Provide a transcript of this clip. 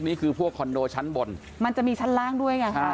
นี่คือพวกคอนโดชั้นบนมันจะมีชั้นล่างด้วยไงค่ะ